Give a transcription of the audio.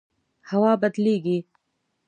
هوا بدلیږي